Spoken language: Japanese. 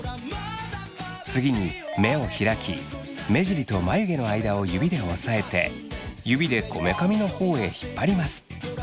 次に目を開き目尻と眉毛の間を指で押さえて指でこめかみのほうへ引っ張ります。